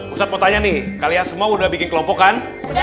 ustadz mau tanya nih kalian semua udah bikin kelompok kan